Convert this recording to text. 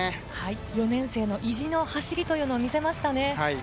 ４年生の意地の走りを見せましたね。